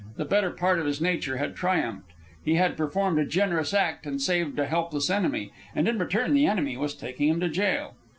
The better part of his nature had triumphed, he had performed a generous act and saved a helpless enemy, and in return the enemy was taking him to jail.